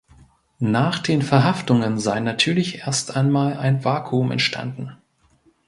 Nach den Verhaftungen sei natürlich erst einmal ein Vakuum entstanden.